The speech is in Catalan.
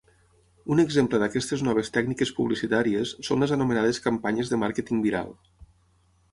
Un exemple d'aquestes noves tècniques publicitàries són les anomenades campanyes de màrqueting viral.